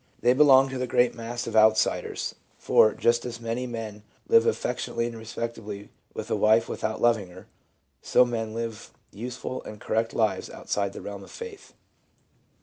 They belong to the great mass of outsiders ; for, just as many men live affectionately and respectably with a wife without loving her, so most men live useful and correct lives outside the realm of faith.